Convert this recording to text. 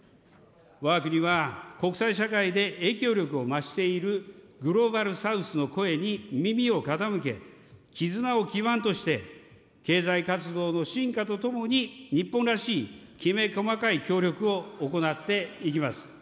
わが国は国際社会で影響力を増しているグローバル・サウスの声に耳を傾け、絆を基盤として、経済活動の深化とともに日本らしいきめ細かい協力を行っていきます。